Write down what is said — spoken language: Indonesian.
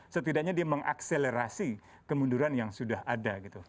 setidaknya dia mengakselerasi kemunduran yang sudah ada